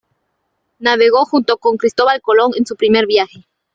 Navegó junto con Cristóbal Colón en su primer viaje.